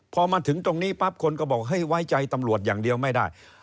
พอมาถึงตรงนี้ปั๊บคนก็บอกให้ไว้ใจตำรวจอย่างเดียวไม่ได้